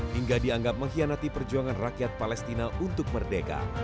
hingga dianggap mengkhianati perjuangan rakyat palestina untuk merdeka